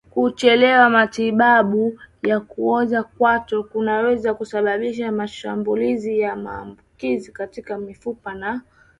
Kuchelewa matibabu ya kuoza kwato kunaweza kusababisha mashambulizi ya maambukizi katika mifupa na mishipa